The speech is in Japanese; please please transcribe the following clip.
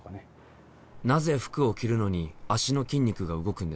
なぜ服を着るのに足の筋肉が動くんですか？